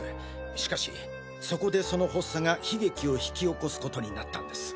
しかしそこでその発作が悲劇を引き起こすことになったんです。